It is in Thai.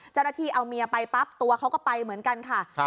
เจ้าหน้าที่เอาเมียไปปั๊บตัวเขาก็ไปเหมือนกันค่ะ